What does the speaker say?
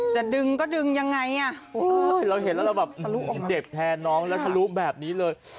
จะดึงก็ดึงยังไงอ่ะเราเห็นแล้วเราแบบเจ็บแทนน้องแล้วทะลุแบบนี้เลย